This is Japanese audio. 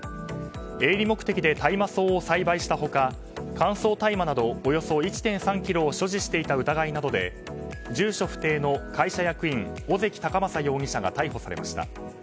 営利目的で大麻草を栽培した他乾燥大麻などおよそ１．３ｋｇを所持していた疑いなどで住所不定の会社役員小関貴雅容疑者が逮捕されました。